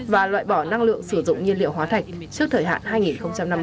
và loại bỏ năng lượng sử dụng nhiên liệu hóa thạch trước thời hạn hai nghìn năm mươi